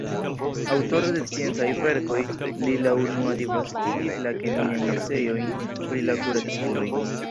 Aŭtoro de sciencaj verkoj, li la unua disvastigis la kemiajn eseojn pri la kuraciloj.